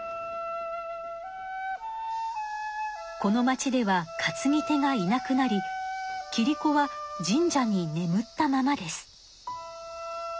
この町では担ぎ手がいなくなりキリコは神社にねむったままです。